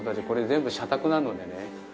これ全部社宅なのでね